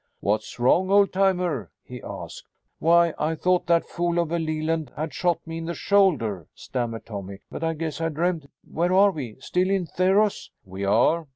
"What's wrong, old timer?" he asked. "Why I thought that fool of a Leland had shot me in the shoulder," stammered Tommy, "but I guess I dreamed it. Where are we? Still in Theros?" "We are."